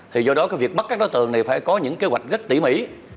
thì do đó cái việc bắt các đối tượng này phải có những kế hoạch rất tỉ mỉ